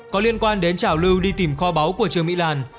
có liên quan đến trào lưu đi tìm kho báu của trường mỹ lan